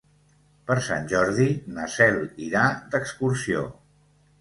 Per Sant Jordi na Cel irà d'excursió.